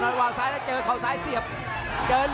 ต้องบอกว่าคนที่จะโชคกับคุณพลน้อยสภาพร่างกายมาต้องเกินร้อยครับ